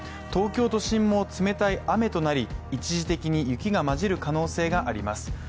東京都心も冷たい雨となり一時的に雪がまじる可能性があります。